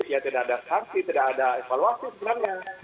ya tidak ada sanksi tidak ada evaluasi sebenarnya